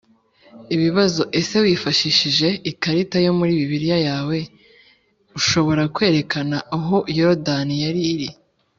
Ibibazo Ese wifashishije ikarita yo muri Bibiliya yawe ushobora kwerekana aho yorodani yari iri